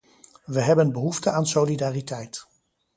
We hebben behoefte aan solidariteit.